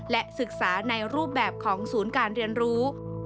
และศึกษาในรูปแบบของศูนย์การเรียนรู้